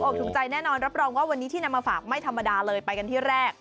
ถูกใจแน่นอนรับรองว่าวันนี้ที่นำมาฝากไม่ธรรมดาเลยไปกันที่แรก